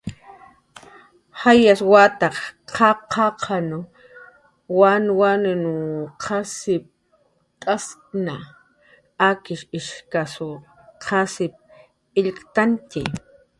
Jayas wataq qaqaq wanwanw qasipcx'askna, akishq ishkasw qasip illktantxi